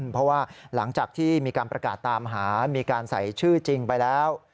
เพราะว่าหลังจากที่มีการประกาศตามหามีการใส่ชื่อจริงไปแล้ว